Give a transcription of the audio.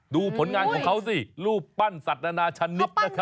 ดูผลงานของเขาสิรูปปั้นสัตว์นานาชนิดนะครับ